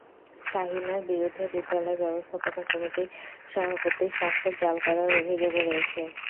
শাহীনার বিরুদ্ধে বিদ্যালয় ব্যবস্থাপনা কমিটির সভাপতির স্বাক্ষর জাল করার অভিযোগও রয়েছে।